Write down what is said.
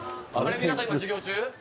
皆さん今授業中？